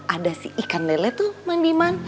ada si ikan lele tuh mandiman